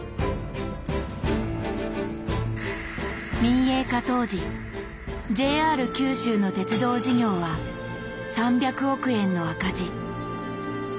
民営化当時ＪＲ九州の鉄道事業は３００億円の赤字。